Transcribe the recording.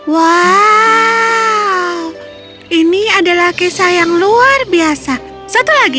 wow ini adalah kisah yang luar biasa satu lagi